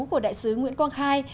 của đại sứ nguyễn quang khai